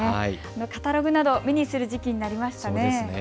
カタログなど目にする時期になりましたね。